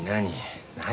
何？